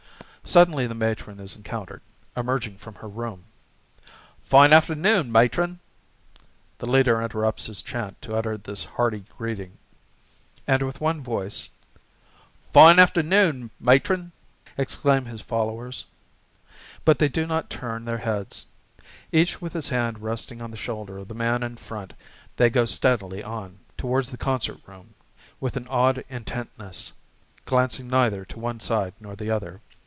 Suddenly the Matron is encountered, emerging from her room. "Fine afternoon, Matron!" The leader interrupts his chant to utter this hearty greeting. And, with one voice, "Fine afternoon, Matron!" exclaim his followers. But they do not turn their heads. Each with his hand resting on the shoulder of the man in front they go steadily on, towards the concert room, with an odd intentness, glancing neither to one side nor the other.